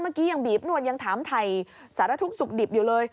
เมื่อกี้ยังบีบนวลยังถามถ่ายสารทุกข์สุขดิบอยู่เลย